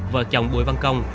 vợ chồng bùi văn công